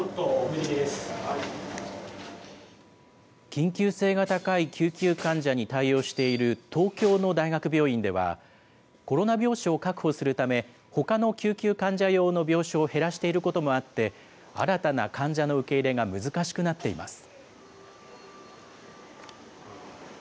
緊急性が高い救急患者に対応している東京の大学病院では、コロナ病床を確保するため、ほかの救急患者用の病床を減らしていることもあって、新たな患者の受け入れが難しくなっています。